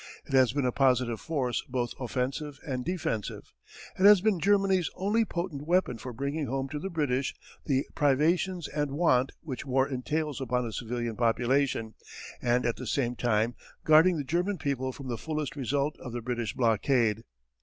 It has been a positive force both offensive and defensive. It has been Germany's only potent weapon for bringing home to the British the privations and want which war entails upon a civilian population, and at the same time guarding the German people from the fullest result of the British blockade.